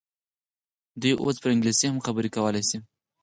دوی اوس پر انګلیسي هم خبرې کولای شي.